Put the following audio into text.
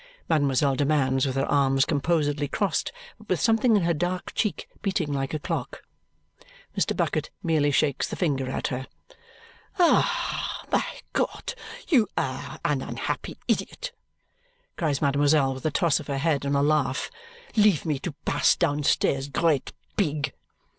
mademoiselle demands, with her arms composedly crossed, but with something in her dark cheek beating like a clock. Mr. Bucket merely shakes the finger at her. "Ah, my God, you are an unhappy idiot!" cries mademoiselle with a toss of her head and a laugh. "Leave me to pass downstairs, great pig."